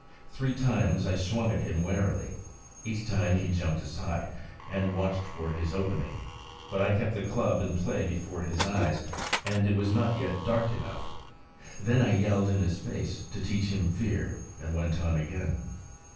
Three times I swung at him warily. Each time he jumped aside and watched for his opening; but I kept the club in play before his eyes, and it was not yet dark enough. Then I yelled in his face, to teach him fear, and went on again.